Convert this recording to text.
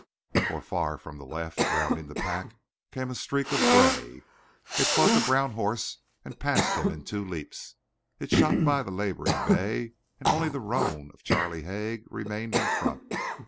For far from the left, rounding the pack, came a streak of gray. It caught the brown horse and passed him in two leaps; it shot by the laboring bay; and only the roan of Charlie Haig remained in front.